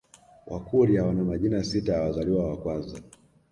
Wakurya wana majina sita ya wazaliwa wa kwanza